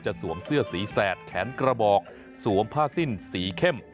สวมเสื้อสีแสดแขนกระบอกสวมผ้าสิ้นสีเข้ม